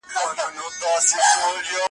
چي دي کرلي درته رسیږي ,